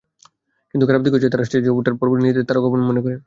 কিন্তু খারাপ দিক হচ্ছে, তাঁরা স্টেজে ওঠার পরপরই নিজেদের তারকা মনে করে।